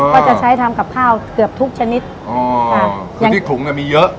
ก็จะใช้ทำกับข้าวเกือบทุกชนิดอ๋อค่ะคือที่ถุงอ่ะมีเยอะ